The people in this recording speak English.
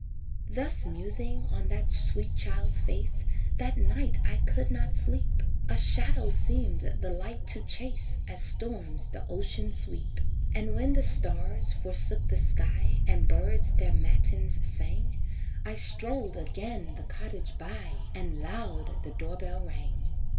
Thus musing on that sweet child's face That night I could not sleep, A shadow seemed the light to chase As storms the ocean sweep; And when the stars forsook the sky And birds their matins sang I strolled again the cottage by And loud the door bell rang.